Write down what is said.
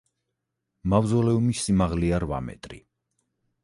მავზოლეუმის სიმაღლეა რვა მეტრი.